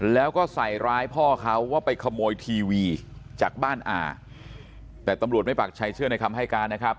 แล้วก็ใส่ร้ายพ่อเขาว่าไปขโมยทีวีจากบ้านอาแต่ตำรวจไม่ปักใจเชื่อในคำให้การนะครับ